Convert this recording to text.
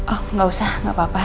oh gak usah gak apa apa